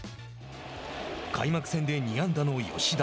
開幕戦で２安打の吉田。